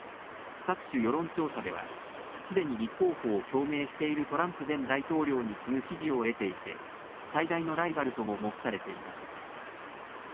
各種世論調査ではすでに立候補を表明しているトランプ前大統領に次ぐ支持を得ていて最大のライバルとも目されています。